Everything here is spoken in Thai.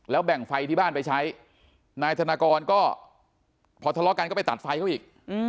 แบ่งไฟที่บ้านไปใช้นายธนกรก็พอทะเลาะกันก็ไปตัดไฟเขาอีก